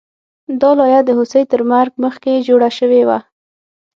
دا لایه د هوسۍ تر مرګ مخکې جوړه شوې وه